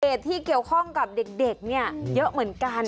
เหตุที่เกี่ยวข้องกับเด็กเนี่ยเยอะเหมือนกัน